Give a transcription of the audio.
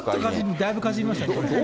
だいぶかじりました。